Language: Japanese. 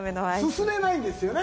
すすれないんですよね。